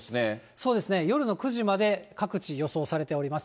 そうですね、夜の９時まで、各地予想されております。